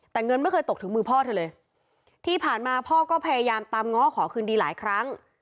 แต่เงินไม่เคยตกถึงมือพ่อเธอเลยที่ผ่านมาพ่อก็พยายามตามง้อขอคืนดีหลายครั้ง